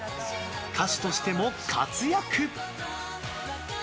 歌手としても活躍。